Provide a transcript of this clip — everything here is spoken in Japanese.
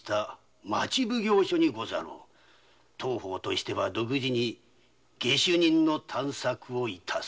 当方としては独自に下手人の探索をいたす。